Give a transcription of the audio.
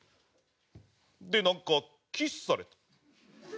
でなんかキスされた。